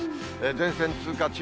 前線通過中。